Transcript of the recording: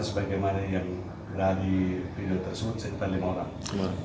sebagai yang ada di video tersebut saya ingin paham lima orang